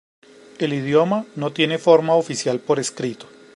El idioma no tiene forma oficial por escrito.